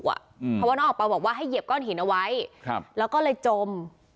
เพราะว่าน้องออกไปบอกว่าให้เหยียบก้อนหินเอาไว้แล้วก็เลยจม